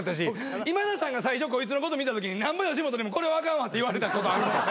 今田さんが最初こいつのこと見たときに何ぼ吉本でもこれはあかんわって言われたことあるんですよ。